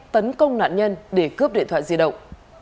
tấn công nạn nhân để cướp điện thoại di động